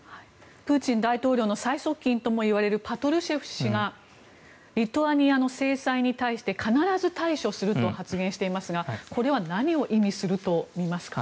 プーチン大統領の最側近ともいわれるパトルシェフ氏がリトアニアの制裁に対して必ず対処すると発言していますがこれは何を意味すると見ますか？